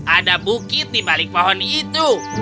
ada bukit di balik pohon itu